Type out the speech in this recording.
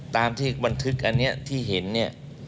ตามที่บันทึกอันนี้ที่เห็นเนี่ย